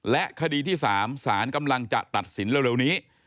และคดีที่๓สารกำลังจะตัดสินเร็วนี้